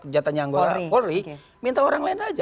jatahnya anggota polri minta orang lain aja